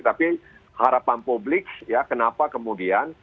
tapi harapan publik ya kenapa kemudian